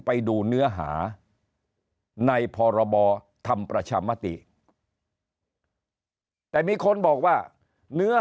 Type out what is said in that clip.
ไปดูเนื้อหาในพรบทำประชามติแต่มีคนบอกว่าเนื้อ